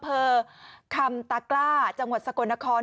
เผอร์คำตราคล่าจังหวัดสกลนคร